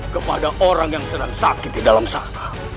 kepada orang yang sedang sakit di dalam sana